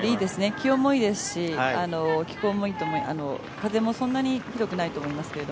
気温もいいですし、風もそんなにひどくないと思いますけど。